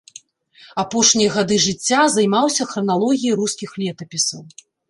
Апошнія гады жыцця займаўся храналогіяй рускіх летапісаў.